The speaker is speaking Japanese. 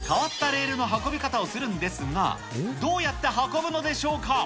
実は彼、変わったレールの運び方をするんですが、どうやって運ぶのでしょうか。